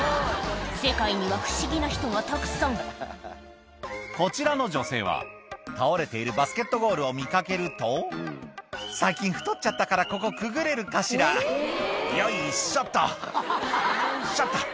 世界には不思議な人がたくさんこちらの女性は倒れているバスケットゴールを見かけると「最近太っちゃったからここくぐれるかしら？」「よいしょっとよいしょっと」